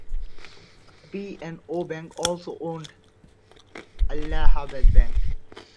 P and O Bank also owned Allahabad Bank.